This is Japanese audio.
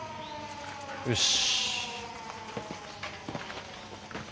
よし。